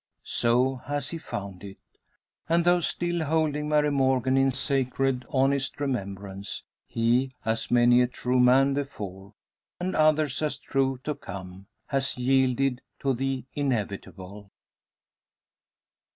So has he found it; and though still holding Mary Morgan in sacred, honest remembrance, he as many a true man before, and others as true to come has yielded to the inevitable.